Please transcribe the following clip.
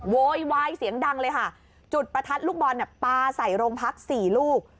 โวยวายเสียงดังเลยค่ะจุดประทัดลูกบอลปลาใส่โรงพักสี่ลูก